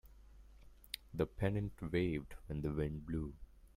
The pennant waved when the wind blew.